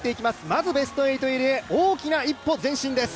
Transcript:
まずベスト８入りへ大きな一歩前進です。